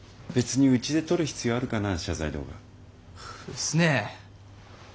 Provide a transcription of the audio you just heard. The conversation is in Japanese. っすねえ。